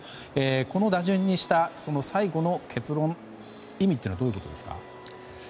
この打順にした、その最後の結論意味というのはどういうことですか？